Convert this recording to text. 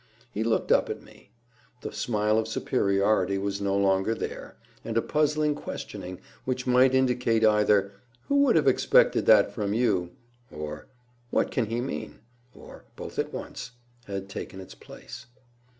He looked up at me. The smile of superiority was no longer there, and a puzzled questioning, which might indicate either "Who would have expected that from you?" or, "What can he mean?" or both at once, had taken its place.